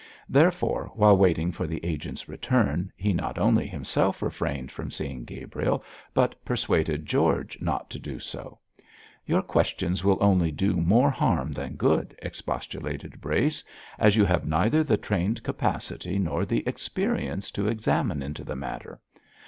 Therefore, while waiting for the agent's return, he not only himself refrained from seeing Gabriel, but persuaded George not to do so. 'Your questions will only do more harm than good!' expostulated Brace, 'as you have neither the trained capacity nor the experience to examine into the matter.